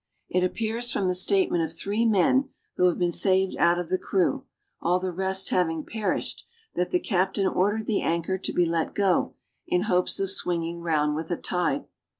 It appears from the statement of three men who have been saved out of the crew all the rest having perished, that the captain ordered the anchor to be let go, in hopes of swinging round with the tide.